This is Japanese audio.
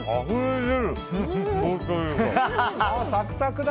サクサクだ！